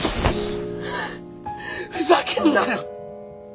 ふざけんなよ！